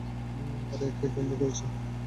আরে কে বন্ধ করছে?